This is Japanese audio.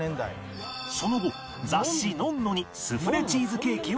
その後雑誌『ｎｏｎ−ｎｏ』にスフレチーズケーキを紹介